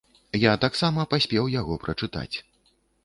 Я таксама паспеў яго прачытаць.